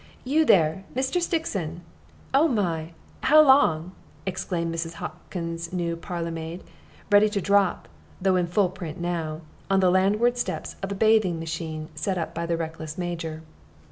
"You there, Mr. Stixon! Oh my! How long?" exclaimed Mrs. Hockin's new parlormaid, ready to drop, though in full print now, on the landward steps of the bathing machine set up by the reckless Major.